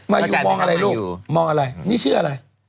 มาอยู่มองอะไรลูกมองอะไรนี่ชื่ออะไร